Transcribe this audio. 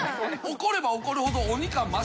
怒れば怒るほど。